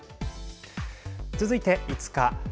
続いて、５日。